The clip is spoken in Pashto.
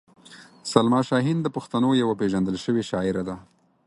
سلما شاهین د پښتنو یوه پېژندل شوې شاعره ده.